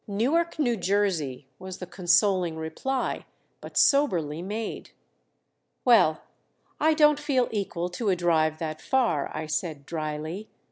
"Newark, New Jersey," was the consoling reply, but soberly made. "Well I don't feel equal to a drive that far," I said dryly.